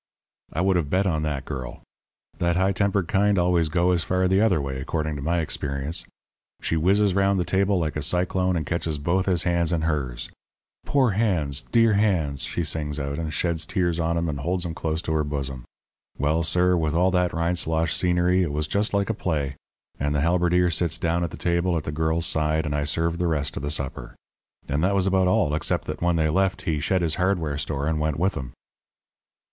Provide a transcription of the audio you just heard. "I would have bet on that girl. That high tempered kind always go as far the other way, according to my experience. She whizzes round the table like a cyclone and catches both his hands in hers. 'Poor hands dear hands,' she sings out, and sheds tears on 'em and holds 'em close to her bosom. Well, sir, with all that Rindslosh scenery it was just like a play. And the halberdier sits down at the table at the girl's side, and I served the rest of the supper. And that was about all, except that when they left he shed his hardware store and went with 'em."